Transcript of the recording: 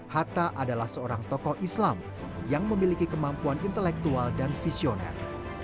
hatta adalah seorang tokoh islam yang memiliki kemampuan intelektual dan visioner